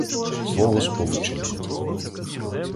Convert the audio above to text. Словосполучення